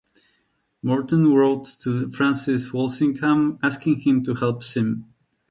Morton wrote to Francis Walsingham asking him to help Sym.